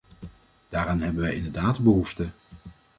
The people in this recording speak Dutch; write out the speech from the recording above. Daaraan hebben wij inderdaad behoefte.